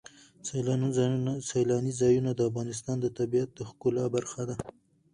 سیلاني ځایونه د افغانستان د طبیعت د ښکلا برخه ده.